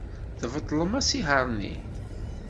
Tbeṭlem asihaṛ-nni.